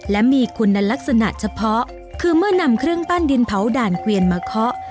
และมีคุณลักษณะเฉพาะคือเมื่อนำเครื่องปั้นดินเผาด่านเกวียนมาเคาะ